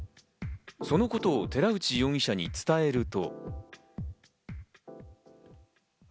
そのことを寺内容疑者に伝えると。